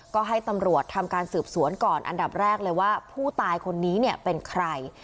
ก็ให้ตำรวจทำการสืบสวนก่อนอันดับแรกเลยว่าผู้ตายคนนี้เนี่ยเป็นใคร